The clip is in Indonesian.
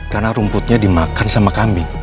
karena rumputnya dimakan sama kambing